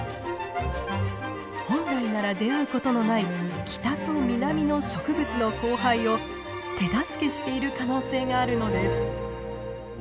本来なら出会うことのない北と南の植物の交配を手助けしている可能性があるのです。